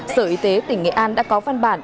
sở y tế tỉnh nghệ an đã có văn bản